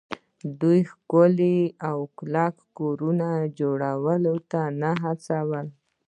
دوی ښکلو او کلکو کورونو جوړولو ته نه هڅول